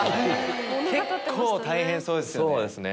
結構大変そうですよね。